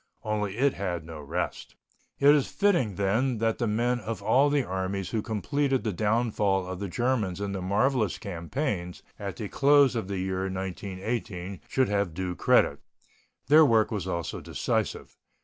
Only it had no rest. It is fitting, then, that the men of all the armies who completed the downfall of the Germans in the marvellous campaigns at the close of the year 1918 should have due credit. Their work was also decisive.